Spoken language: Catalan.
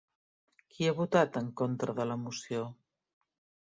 Qui ha votat en contra de la moció?